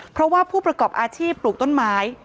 เพราะว่าผู้ประกอบอาชีพปลูกต้นไม้